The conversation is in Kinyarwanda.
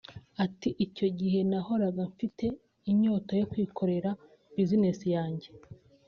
Ati “Icyo gihe nahoraga mfite inyota yo kwikorera business yanjye